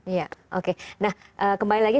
iya oke nah kembali lagi